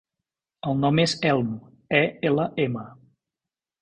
El nom és Elm: e, ela, ema.